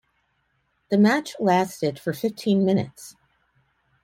The match lasted for fifteen minutes.